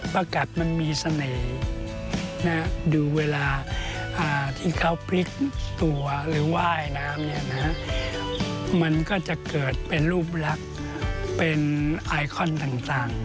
ประกัดมันมีเสน่ห์ดูเวลาที่เขาพลิกตัวหรือว่ายน้ำมันก็จะเกิดเป็นรูปลักษณ์เป็นไอคอนต่าง